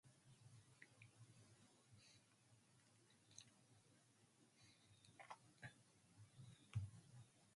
Most are at the graduate level.